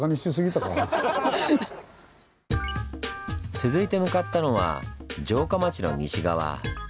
続いて向かったのは城下町の西側。